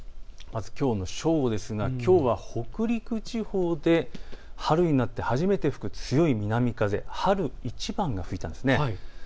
きょうの正午ですがきょうは北陸地方で春になって初めて吹く強い南風、春一番が吹いたんです。